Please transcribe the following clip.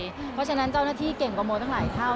เพราะฉะนั้นเจ้าหน้าที่เก่งกว่าโมตั้งหลายเท่า